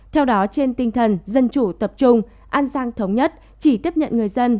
theo đó trên tinh thần dân chủ tập trung an giang thống nhất chỉ tiếp nhận người dân